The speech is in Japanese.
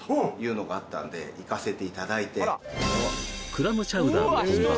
クラムチャウダーの本場